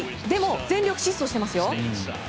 でも、全力疾走してますよ。